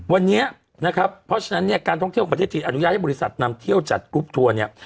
วันนี้นะครับเพราะฉะนั้นเนี่ยการท่องเที่ยวประเทศจีนอนุญาตให้บริษัทนำเที่ยวจัดกรุ๊ปทัวร์เนี่ย